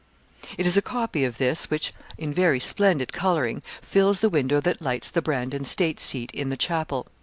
It is a copy of this, which, in very splendid colouring, fills the window that lights the Brandon state seat in the chapel.